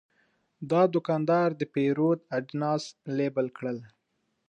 دا دوکاندار د پیرود اجناس لیبل کړل.